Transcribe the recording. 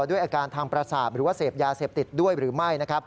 ด้วยอาการทางประสาทหรือว่าเสพยาเสพติดด้วยหรือไม่